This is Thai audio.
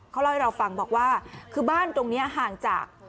เขาเล่าให้เราฟังบอกว่าคือบ้านตรงนี้ห่างจาก